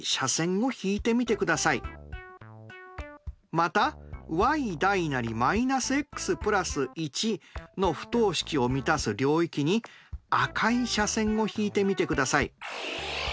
またｙ−ｘ＋１の不等式を満たす領域に赤い斜線を引いてみてください。